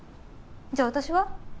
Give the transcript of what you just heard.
じゃあ私は？